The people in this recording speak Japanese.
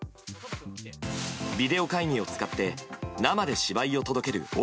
ビデオ会議を使って生で芝居を届ける